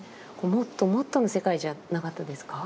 もっともっとの世界じゃなかったですか？